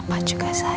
aku mau ke sana